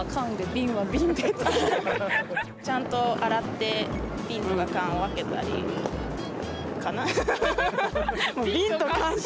ちゃんと洗ってビンとかカンを分けたりかな。